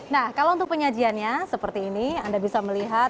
nah kalau untuk penyajiannya seperti ini anda bisa melihat